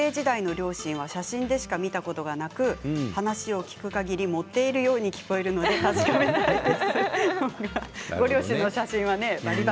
学生時代の両親は写真でしか見たことがなく話を聞くかぎりモテるように聞こえるので確かめてみたいということです。